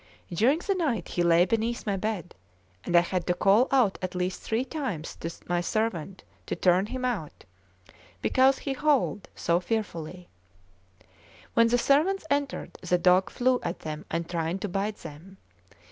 During the night he lay beneath my bed, and I had to call out at least three times to my servant to turn him out, because he howled so fearfully. When the servants entered, the dog flew at them and tried to bite them.